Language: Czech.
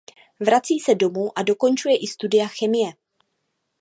Vrací se domů a dokončuje i studia chemie.